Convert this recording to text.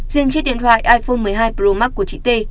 riêng chiếc điện thoại iphone một mươi hai pro max của chị t